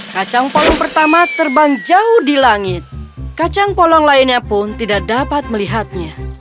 kacang polong pertama terbang jauh di langit kacang polong lainnya pun tidak dapat melihatnya